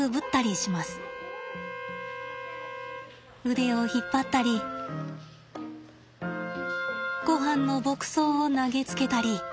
腕を引っ張ったりごはんの牧草を投げつけたり。